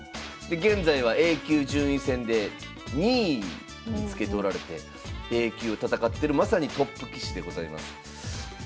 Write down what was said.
現在はＡ級順位戦で２位につけておられてＡ級を戦ってるまさにトップ棋士でございます。